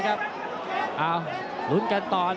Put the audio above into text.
อ้าวหลุ้นกันต่อ